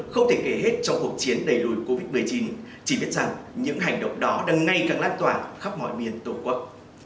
không thể kể hết trong cuộc chiến đầy lùi covid một mươi chín chỉ biết rằng những hành động đó đang ngay càng lan tỏa khắp mọi miền tổ quốc